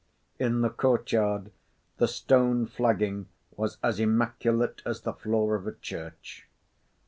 In the courtyard, the stone flagging was as immaculate as the floor of a church.